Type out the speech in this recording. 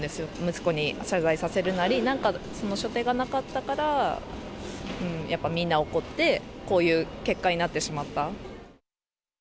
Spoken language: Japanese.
息子に謝罪させるなり、なんか初手がなかったから、やっぱみんな怒って、こういう結果になってしまった。